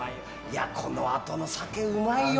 このあとの酒うまいよ！